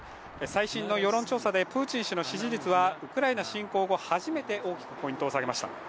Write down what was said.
最新の世論調査でプーチン氏の支持率はウクライナ侵攻後、初めて大きくポイントを下げました。